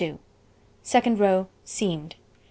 Second row: Seamed.